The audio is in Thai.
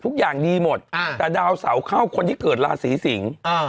ทุกอย่างดีหมดแต่ดาวเสาเข้าคนที่เกิดราศีสิงศ์